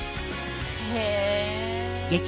へえ。